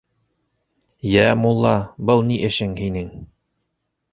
— Йә, мулла, был ни эшең һинең?